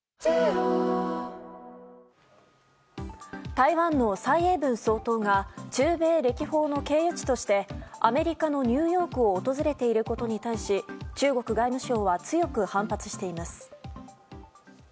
台湾の蔡英文総統が中米歴訪の経由地としてアメリカのニューヨークを訪れていることに対し中国外務省は強く反発しています。